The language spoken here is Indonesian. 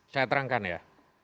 saya terangkan ya